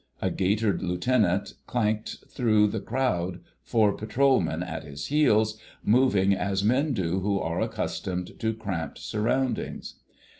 A gaitered Lieutenant clanked through the crowd, four patrol men at his heels, moving as men do who are accustomed to cramped surroundings.